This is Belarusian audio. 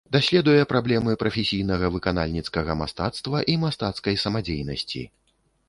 Даследуе праблемы прафесійнага выканальніцкага мастацтва і мастацкай самадзейнасці.